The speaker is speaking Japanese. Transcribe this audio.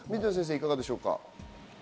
いかがでしょう？